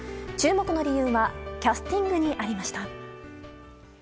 注目の理由はキャスティングにありました。